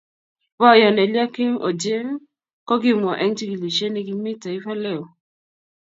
Boyon Eliakim Ochieng, ko kimwa eng chikilishe ne kimii Taifa Leo.